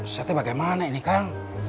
saya tuh bagaimana ini kang